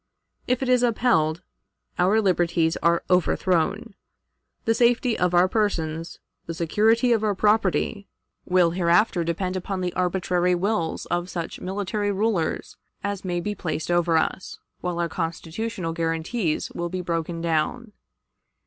If it is upheld, our liberties are overthrown. The safety of our persons, the security of our property, will hereafter depend upon the arbitrary wills of such military rulers as may be placed over us, while our constitutional guarantees will be broken down.